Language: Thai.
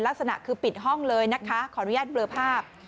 ลักษณะคือปิดห้องเลยนะคะขออนุญาตเบลอภาพ